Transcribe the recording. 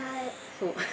そう。